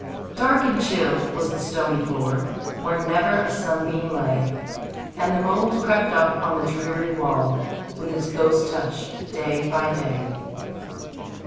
Dark and chill was the stony floor, Where never a sunbeam lay, And the mould crept up on the dreary wall, With its ghost touch, day by day.